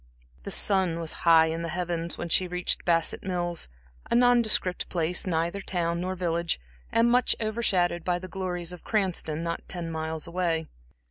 The sun was high in the heavens when she reached Bassett Mills, a nondescript place, neither town nor village, and much over shadowed by the glories of Cranston, not ten miles away.